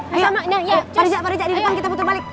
pak rija pak rija di depan kita putar balik